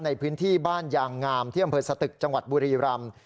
ในพื้นที่บ้านยางงามที่อำเภอสตึกจังหวัดบุรีรำ